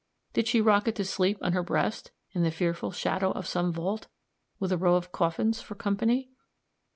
Did she rock it to sleep on her breast, in the fearful shadow of some vault, with a row of coffins for company?